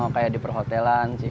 kayak di perhotelan sih